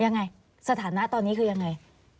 ยังไงสถานะตอนนี้คือยังไง